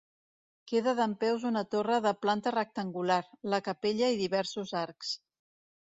Queda dempeus una torre de planta rectangular, la capella i diversos arcs.